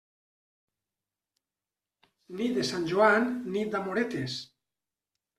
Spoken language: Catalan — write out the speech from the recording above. Nit de Sant Joan, nit d'amoretes.